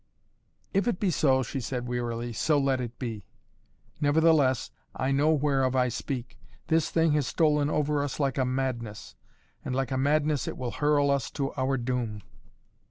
"If it be so," she said wearily, "so let it be. Nevertheless, I know whereof I speak. This thing has stolen over us like a madness. And, like a madness, it will hurl us to our doom."